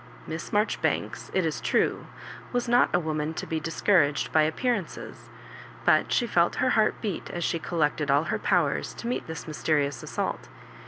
Miss Marjoribanks, it is true, was not a woman to be discouraged by appearances, but she felt her heart beat as she collected all her powers to meet this mysterious assault.